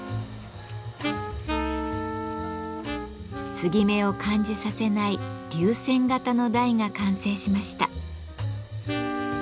継ぎ目を感じさせない流線形の台が完成しました。